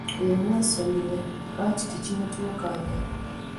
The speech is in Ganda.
Oyo mwesonyiwe anti tekimutuukangako.